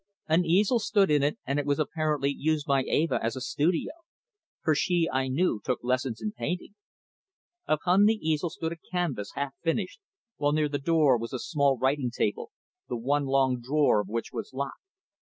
An easel stood in it and it was apparently used by Eva as a studio, for she, I knew, took lessons in painting. Upon the easel stood a canvas half finished, while near the window was a small writing table, the one long drawer of which was locked.